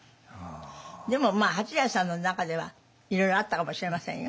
でも八大さんの中ではいろいろあったかもしれませんよ。